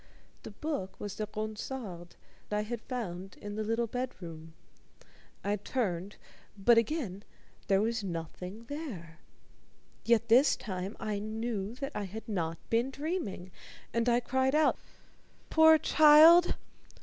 The book was the Ronsard I had found in the little bedroom. I turned, but again there was nothing there. Yet this time I knew that I had not been dreaming, and I cried out: "Poor child!